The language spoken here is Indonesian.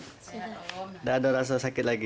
tidak ada rasa sakit lagi